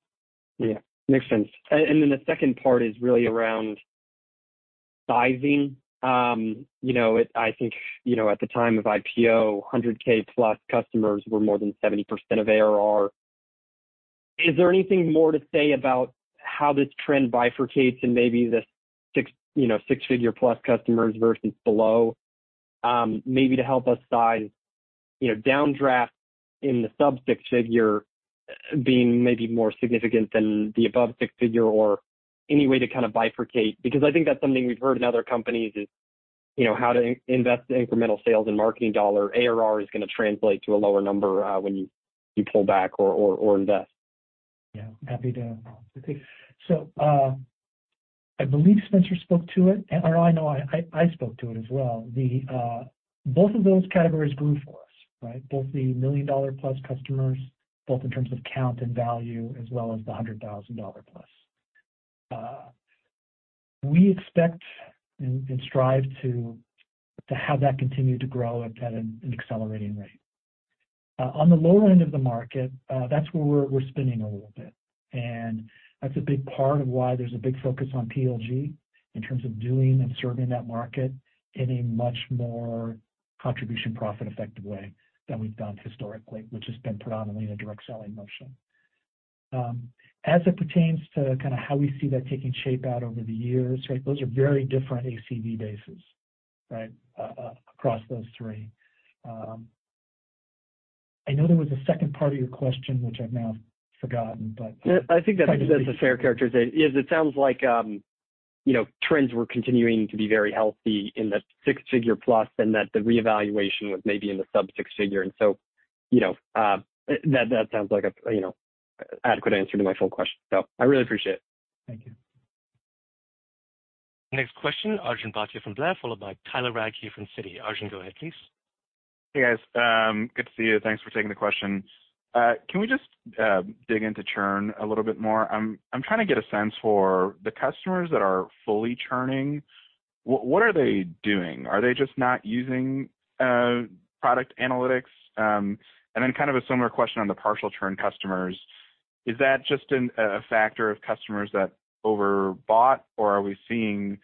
Yeah. Makes sense. The second part is really around sizing. You know, I think, you know, at the time of IPO, 100K plus customers were more than 70% of ARR. Is there anything more to say about how this trend bifurcates and maybe the six-figure, you know, six-figure plus customers versus below, maybe to help us size, you know, downdraft in the sub six-figure being maybe more significant than the above six-figure or any way to kind of bifurcate? I think that's something we've heard in other companies is, you know, how to invest the incremental sales and marketing dollar ARR is gonna translate to a lower number when you pull back or invest. Happy to. I believe Spenser spoke to it or no, I know I spoke to it as well. The both of those categories grew for us, right? Both the million-dollar-plus customers, both in terms of count and value, as well as the hundred-thousand-dollar-plus. We expect and strive to have that continue to grow at an accelerating rate. On the lower end of the market, that's where we're spinning a little bit, and that's a big part of why there's a big focus on PLG in terms of doing and serving that market in a much more contribution profit effective way than we've done historically, which has been predominantly in a direct selling motion. As it pertains to kind of how we see that taking shape out over the years, right, those are very different ACV bases, right, across those three. I know there was a second part of your question which I've now forgotten. Yeah. I think that gives us a fair characterization. Yes, it sounds like, you know, trends were continuing to be very healthy in the six-figure plus and that the reevaluation was maybe in the sub six-figure. You know, that sounds like a, you know, adequate answer to my full question. I really appreciate it. Thank you. Next question, Arjun Bhatia from Blair, followed by Tyler Radke from Citi. Arjun, go ahead, please. Hey, guys. Good to see you. Thanks for taking the question. Can we just dig into churn a little bit more? I'm trying to get a sense for the customers that are fully churning, what are they doing? Are they just not using product analytics? And then kind of a similar question on the partial churn customers, is that just a factor of customers that overbought, or are we seeing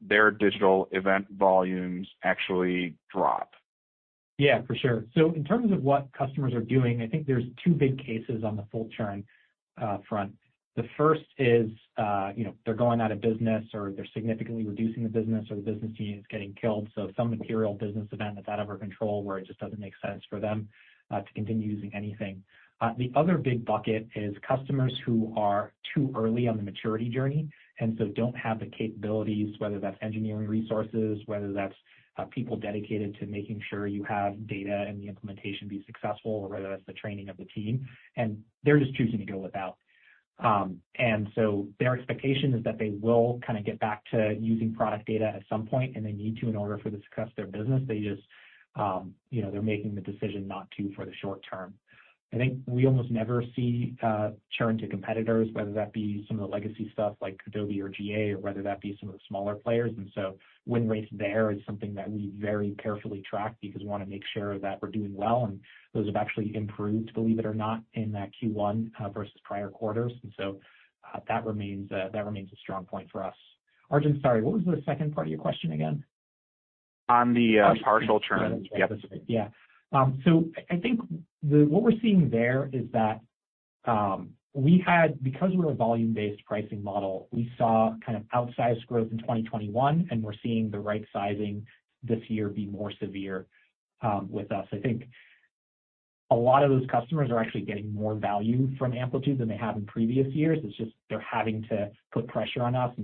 their digital event volumes actually drop? Yeah, for sure. In terms of what customers are doing, I think there's two big cases on the full churn front. The first is, you know, they're going out of business or they're significantly reducing the business or the business unit is getting killed, so some material business event that's out of our control where it just doesn't make sense for them to continue using anything. The other big bucket is customers who are too early on the maturity journey and so don't have the capabilities, whether that's engineering resources, whether that's people dedicated to making sure you have data and the implementation be successful, or whether that's the training of the team, and they're just choosing to go without. Their expectation is that they will kind of get back to using product data at some point, and they need to in order for this to cut their business. They just, you know, they're making the decision not to for the short term. I think we almost never see churn to competitors, whether that be some of the legacy stuff like Adobe or GA or whether that be some of the smaller players. Win rate there is something that we very carefully track because we wanna make sure that we're doing well, and those have actually improved, believe it or not, in that Q1 versus prior quarters. That remains, that remains a strong point for us. Arjun, sorry, what was the second part of your question again? On the partial churn. Yep. Yeah. I think what we're seeing there is that because we're a volume-based pricing model, we saw kind of outsized growth in 2021, and we're seeing the right sizing this year be more severe with us. I think a lot of those customers are actually getting more value from Amplitude than they have in previous years. It's just they're having to put pressure on us,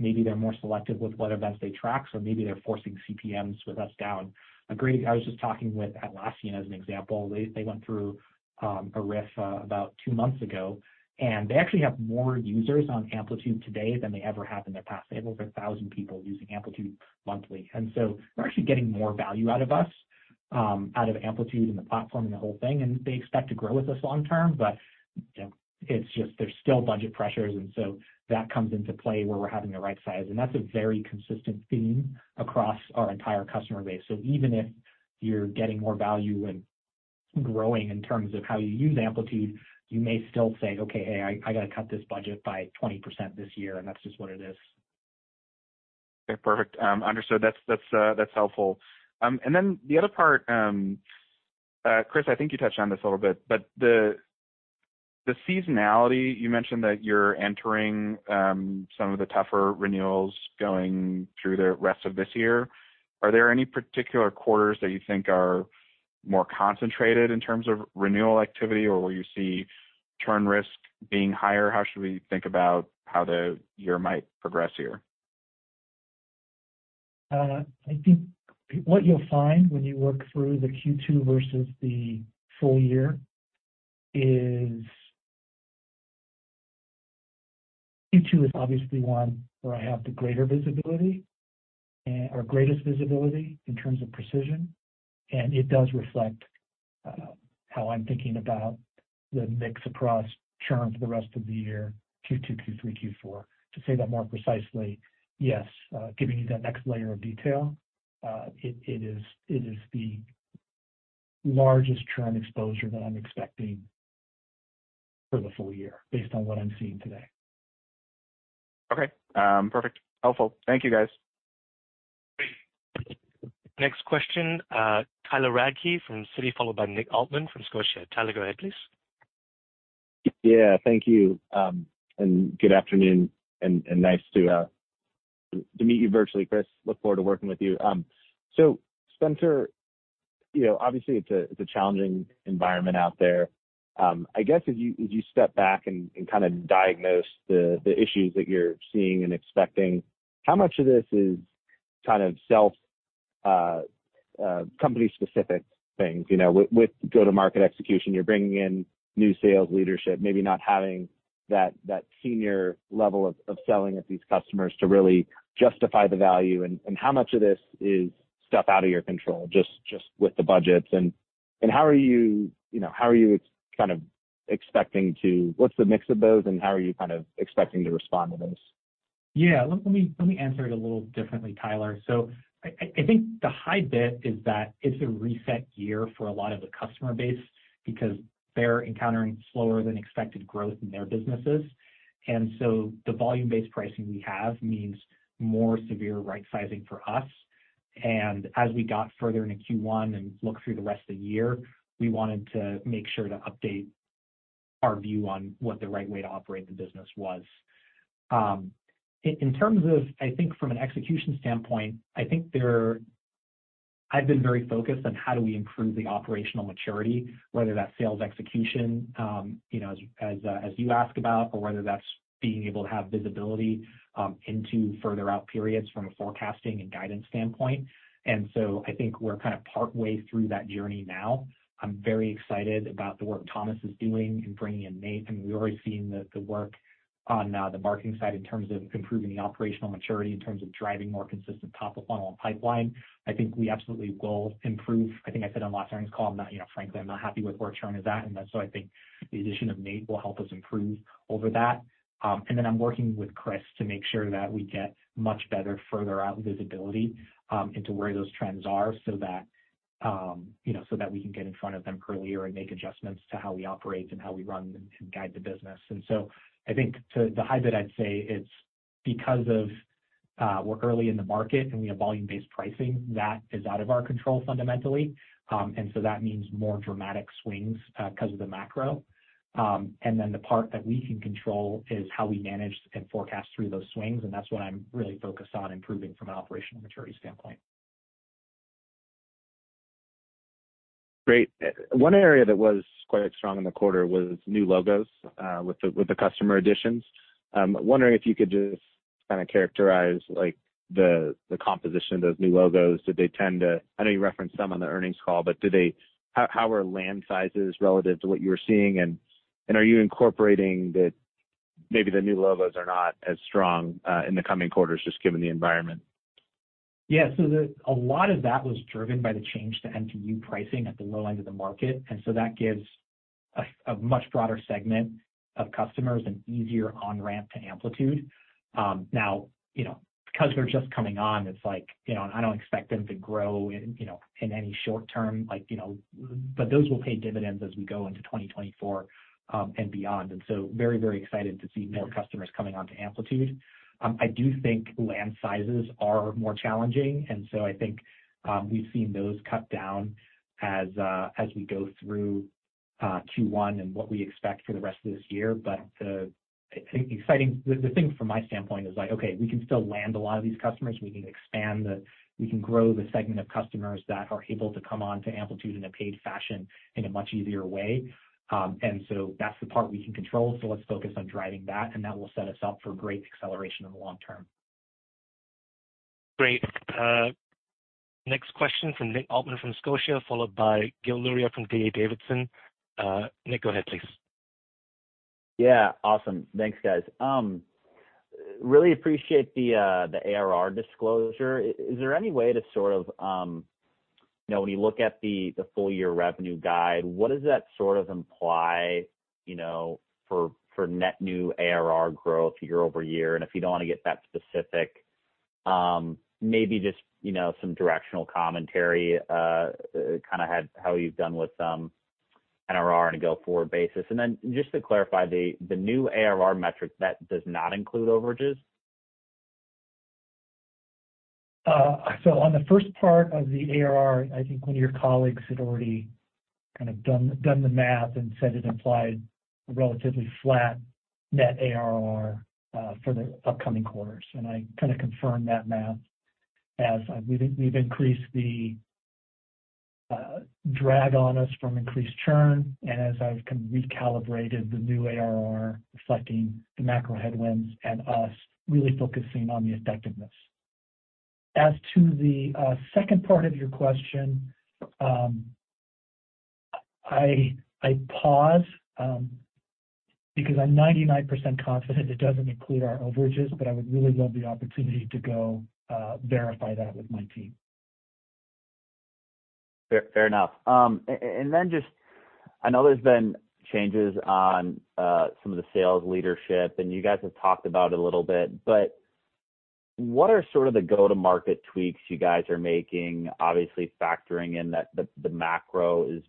maybe they're more selective with what events they track, maybe they're forcing CPMs with us down. I was just talking with Atlassian as an example. They went through a RIF about 2 months ago, and they actually have more users on Amplitude today than they ever have in their past. They have over 1,000 people using Amplitude monthly. They're actually getting more value out of us, out of Amplitude and the platform and the whole thing, and they expect to grow with us long term. You know, it's just there's still budget pressures, and so that comes into play where we're having the right size. That's a very consistent theme across our entire customer base. Even if you're getting more value and growing in terms of how you use Amplitude, you may still say, "Okay, hey, I gotta cut this budget by 20% this year," and that's just what it is. Okay, perfect. Understood. That's helpful. The other part, Chris, I think you touched on this a little bit, but the seasonality, you mentioned that you're entering some of the tougher renewals going through the rest of this year. Are there any particular quarters that you think are more concentrated in terms of renewal activity or where you see churn risk being higher? How should we think about how the year might progress here? I think what you'll find when you work through the Q2 versus the full year is Q2 is obviously one where I have the greater visibility or greatest visibility in terms of precision, and it does reflect, how I'm thinking about the mix across churn for the rest of the year, Q2, Q3, Q4. To say that more precisely, yes, giving you that next layer of detail, it is the largest churn exposure that I'm expecting for the full year based on what I'm seeing today. Okay. perfect. Helpful. Thank you, guys. Great. Next question, Tyler Radke from Citi, followed by Nick Altmann from Scotiabank. Tyler, go ahead, please. Yeah, thank you. Good afternoon, and nice to meet you virtually, Chris. Look forward to working with you. Spenser, you know, obviously it's a challenging environment out there. I guess as you step back and kinda diagnose the issues that you're seeing and expecting, how much of this is kind of self-company-specific things, you know? With go-to-market execution, you're bringing in new sales leadership, maybe not having that senior level of selling at these customers to really justify the value. How much of this is stuff out of your control, just with the budgets? How are you know, how are you kind of expecting to what's the mix of those, and how are you kind of expecting to respond to those? Yeah. Let me answer it a little differently, Tyler. I think the high bit is that it's a reset year for a lot of the customer base because they're encountering slower than expected growth in their businesses. The volume-based pricing we have means more severe right sizing for us. As we got further into Q1 and look through the rest of the year, we wanted to make sure to update our view on what the right way to operate the business was. In terms of, I think from an execution standpoint, I've been very focused on how do we improve the operational maturity, whether that's sales execution, you know, as you ask about, or whether that's being able to have visibility into further out periods from a forecasting and guidance standpoint. I think we're kindway through that journey now. I'm very excited about the work Thomas is doing in bringing in Nate, and we're already seeing the work on the marketing side in terms of improving the operational maturity, in terms of driving more consistent top-of-funnel and pipeline. I think we absolutely will improve. I think I said on last earnings call, I'm not, you know, frankly, I'm not happy with where churn is at, I think the addition of Nate will help us improve over that. Then I'm working with Chris to make sure that we get much better further out visibility into where those trends are so that, you know, so that we can get in front of them earlier and make adjustments to how we operate and how we run and guide the business. I think to the high bit, I'd say it's because of, we're early in the market, and we have volume-based pricing, that is out of our control fundamentally. That means more dramatic swings, 'cause of the macro. The part that we can control is how we manage and forecast through those swings, and that's what I'm really focused on improving from an operational maturity standpoint. Great. One area that was quite strong in the quarter was new logos, with the customer additions. Wondering if you could. Kind of characterize like the composition of those new logos. Did they tend to? I know you referenced some on the earnings call, but how are land sizes relative to what you were seeing? Are you incorporating that maybe the new logos are not as strong in the coming quarters just given the environment? Yeah. A lot of that was driven by the change to MTU pricing at the low end of the market. That gives a much broader segment of customers an easier on-ramp to Amplitude. Now, you know, because they're just coming on, it's like, you know, and I don't expect them to grow in, you know, in any short term like, you know. Those will pay dividends as we go into 2024 and beyond. Very excited to see more customers coming onto Amplitude. I do think land sizes are more challenging, and so I think we've seen those cut down as we go through Q1 and what we expect for the rest of this year. I think the thing from my standpoint is like, okay, we can still land a lot of these customers. We can grow the segment of customers that are able to come on to Amplitude in a paid fashion in a much easier way. That's the part we can control, let's focus on driving that will set us up for great acceleration in the long term. Great. next question from Nick Altmann from Scotiabank, followed by Gil Luria from D.A. Davidson. Nick, go ahead, please. Yeah, awesome. Thanks, guys. Really appreciate the ARR disclosure. Is there any way to sort of, you know, when you look at the full year revenue guide, what does that sort of imply, you know, for net new ARR growth year-over-year? If you don't want to get that specific, maybe just, you know, some directional commentary, kind of how you've done with some NRR on a go-forward basis. Then just to clarify, the new ARR metric, that does not include overages? On the first part of the ARR, I think one of your colleagues had already kind of done the math and said it implied relatively flat net ARR for the upcoming quarters. I kind of confirm that math as we've increased the drag on us from increased churn and as I've kind of recalibrated the new ARR reflecting the macro headwinds and us really focusing on the effectiveness. As to the second part of your question, I pause because I'm 99% confident it doesn't include our overages, but I would really love the opportunity to go verify that with my team. Fair enough. And then just I know there's been changes on some of the sales leadership, and you guys have talked about it a little bit, but what are sort of the go-to-market tweaks you guys are making, obviously factoring in that the macro is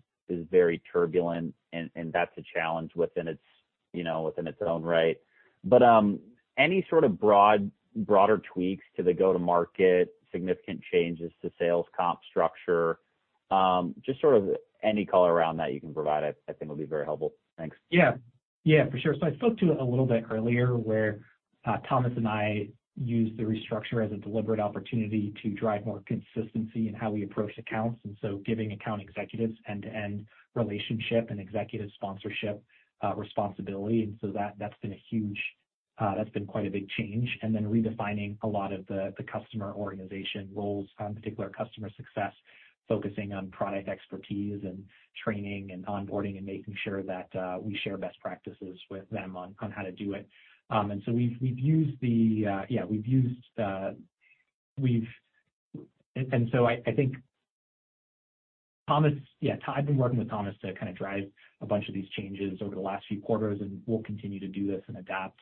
very turbulent and that's a challenge within its, you know, within its own right. Any sort of broader tweaks to the go-to-market, significant changes to sales comp structure, just sort of any color around that you can provide, I think will be very helpful. Thanks. Yeah. Yeah, for sure. I spoke to it a little bit earlier where Thomas and I used the restructure as a deliberate opportunity to drive more consistency in how we approach accounts, and so giving account executives end-to-end relationship and executive sponsorship responsibility. That's been a huge, that's been quite a big change. Redefining a lot of the customer organization roles, in particular customer success, focusing on product expertise and training and onboarding and making sure that we share best practices with them on how to do it. We've used the, yeah, we've used, I think Thomas, yeah, I've been working with Thomas to kind of drive a bunch of these changes over the last few quarters, and we'll continue to do this and adapt.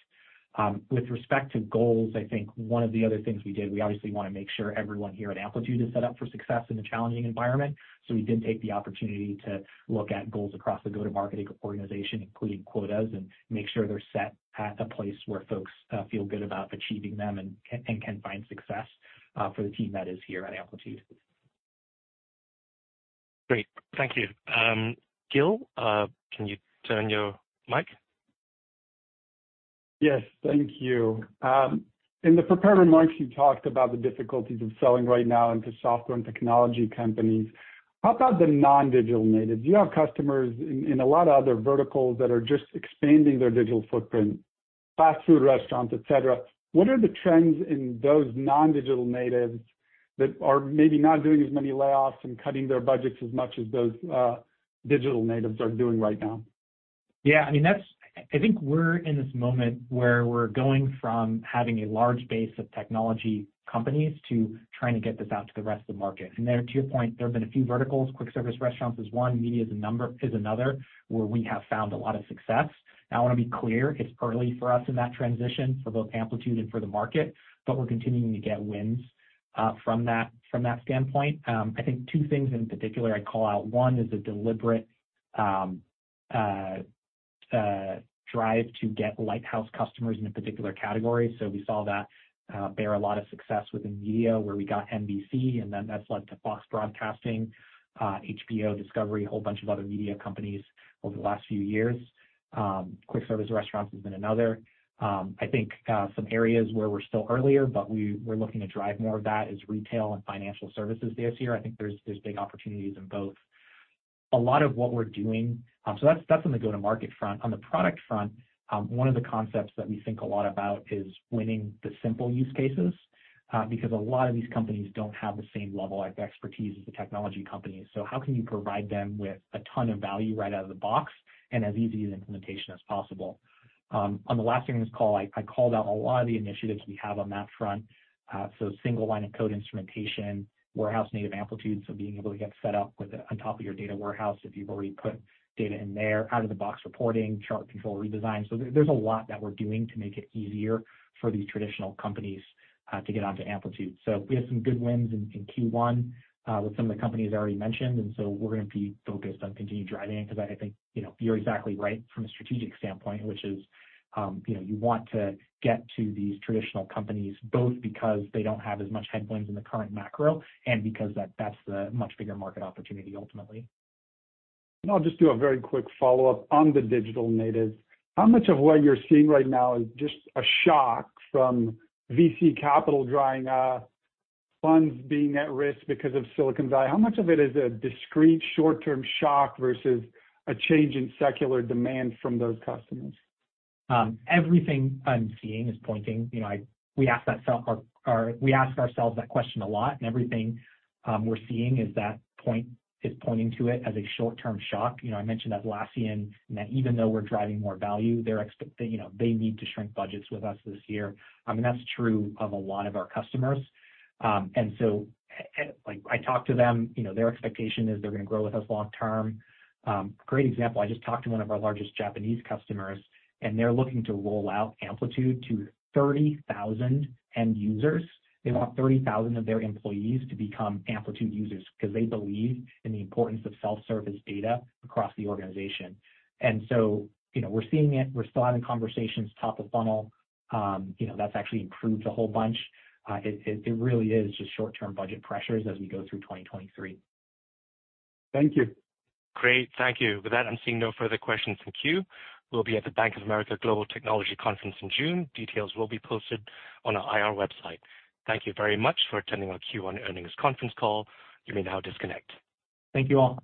With respect to goals, I think one of the other things we did, we obviously wanna make sure everyone here at Amplitude is set up for success in a challenging environment. We did take the opportunity to look at goals across the go-to-market organization, including quotas, and make sure they're set at a place where folks feel good about achieving them and can find success for the team that is here at Amplitude. Great. Thank you. Gil, can you turn your mic? Yes. Thank you. In the prepared remarks, you talked about the difficulties of selling right now into software and technology companies. How about the non-digital natives? You have customers in a lot of other verticals that are just expanding their digital footprint, fast food restaurants, et cetera. What are the trends in those non-digital natives that are maybe not doing as many layoffs and cutting their budgets as much as those digital natives are doing right now? Yeah, I mean, I think we're in this moment where we're going from having a large base of technology companies to trying to get this out to the rest of the market. There, to your point, there have been a few verticals, quick service restaurants is one, media is another, where we have found a lot of success. I wanna be clear, it's early for us in that transition for both Amplitude and for the market, but we're continuing to get wins from that standpoint. I think two things in particular I'd call out. One is a deliberate drive to get lighthouse customers in a particular category. We saw that a lot of success within media, where we got NBC, and then that's led to Fox Broadcasting, HBO, Discovery, a whole bunch of other media companies over the last few years. Quick service restaurants has been another. I think some areas where we're still earlier, but we're looking to drive more of that is retail and financial services this year. I think there's big opportunities in both. That's on the go-to-market front. On the product front, one of the concepts that we think a lot about is winning the simple use cases, because a lot of these companies don't have the same level of expertise as the technology companies. How can you provide them with a ton of value right out of the box and as easy as implementation as possible? On the last earnings call, I called out a lot of the initiatives we have on that front. Single line of code instrumentation, Warehouse-native Amplitude, being able to get set up on top of your data warehouse, if you've already put data in there, out-of-the-box reporting, chart control redesign. There's a lot that we're doing to make it easier for these traditional companies to get onto Amplitude. We have some good wins in Q1, with some of the companies I already mentioned, and so we're going to be focused on continuing driving it because I think, you know, you're exactly right from a strategic standpoint, which is, you know, you want to get to these traditional companies both because they don't have as much headwinds in the current macro and because that's a much bigger market opportunity ultimately. I'll just do a very quick follow-up. On the digital natives, how much of what you're seeing right now is just a shock from VC capital drying up, funds being at risk because of Silicon Valley? How much of it is a discrete short-term shock versus a change in secular demand from those customers? Everything I'm seeing is pointing. You know, we ask ourselves that question a lot, everything we're seeing is pointing to it as a short-term shock. You know, I mentioned Atlassian, even though we're driving more value, they need to shrink budgets with us this year. I mean, that's true of a lot of our customers. Like I talked to them, you know, their expectation is they're gonna grow with us long term. Great example, I just talked to one of our largest Japanese customers, they're looking to roll out Amplitude to 30,000 end users. They want 30,000 of their employees to become Amplitude users because they believe in the importance of self-service data across the organization. You know, we're seeing it. We're still having conversations top of funnel. You know, that's actually improved a whole bunch. It really is just short-term budget pressures as we go through 2023. Thank you. Great. Thank you. With that, I'm seeing no further questions in queue. We'll be at the Bank of America Global Technology Conference in June. Details will be posted on our IR website. Thank you very much for attending our Q1 earnings conference call. You may now disconnect. Thank you all.